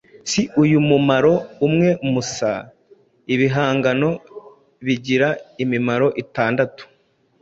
Si uyu mumaro umwe musa, ibihangano bigira imimaro itandatu